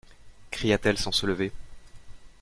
Cria-t-elle sans se lever.